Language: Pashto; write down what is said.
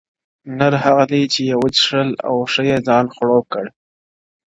• نر هغه دی چي یې و چیښل او ښه یې ځان خړوب کړ..